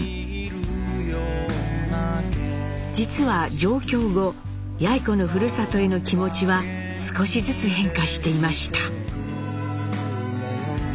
実は上京後やい子のふるさとへの気持ちは少しずつ変化していました。